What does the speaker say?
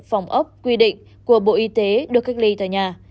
phòng ốc quy định của bộ y tế được cách ly tại nhà